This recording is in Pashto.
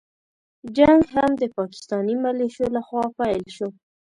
جنګ هم د پاکستاني مليشو له خوا پيل شو.